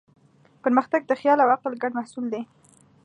پرمختګ د خیال او عقل ګډ محصول دی.